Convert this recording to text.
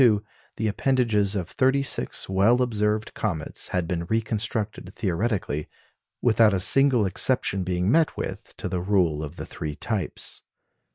In 1882 the appendages of thirty six well observed comets had been reconstructed theoretically, without a single exception being met with to the rule of the three types.